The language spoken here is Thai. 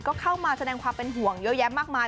ก็เข้ามาแสดงความเป็นห่วงเยอะแยะมากมาย